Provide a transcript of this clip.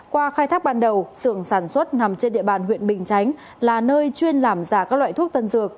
qua khai thác ban đầu xưởng sản xuất nằm trên địa bàn huyện bình chánh là nơi chuyên làm giả các loại thuốc tân dược